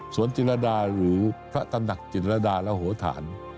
สวนจิตรรดาหรือพระตนักจิตรรดาและโหฐาน